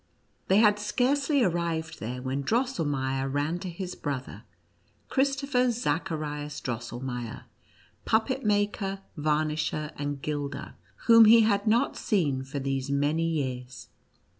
They had scarcely arrived there, when Drosselmeier ran to his brother, Christopher Zacharias Drosselmeier, puppet maker, varnisher, and gilder, whom he had not seen for these many years.